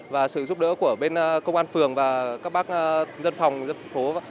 và sự giúp đỡ của bên công an phường và các bác dân phòng dân phố